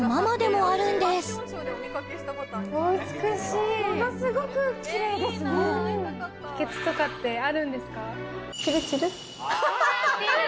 ものすごくきれいですね秘訣とかってあるんですか？